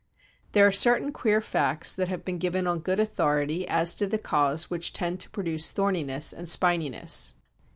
There are certain queer facts that have been given on good authority as to the causes which tend to produce thorniness and spininess.